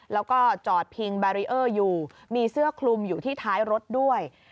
แล้วก็จอดพิงแบรีเออร์อยู่มีเสื้อคลุมอยู่ที่ท้ายรถด้วย